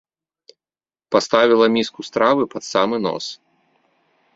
Паставіла міску стравы пад самы нос.